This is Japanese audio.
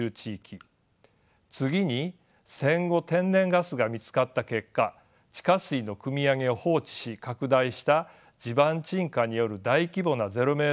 次に戦後天然ガスが見つかった結果地下水のくみ上げを放置し拡大した地盤沈下による大規模なゼロメートル地帯の存在。